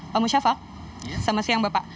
pak musyafak selamat siang bapak